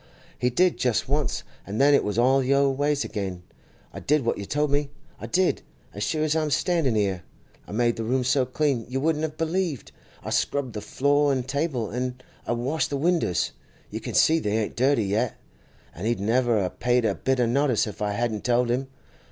'He did just once, an' then it was all the old ways again. I did what you told me; I did, as sure as I'm a standin' 'ere! I made the room so clean you wouldn't have believed; I scrubbed the floor an' the table, an' I washed the winders—you can see they ain't dirty yet. An' he'd never a' paid a bit o' notice if I hadn't told him.